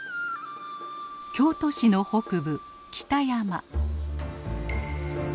京都市の北部北山。